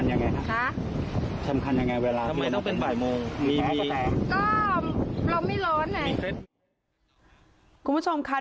ด้วยความที่เธอเป็นผู้ป่วยทางจิตทางประสาท